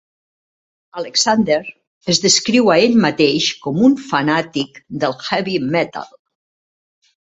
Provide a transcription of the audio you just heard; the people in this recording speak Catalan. Alexander es descriu a ell mateix com un fanàtic del heavy metal.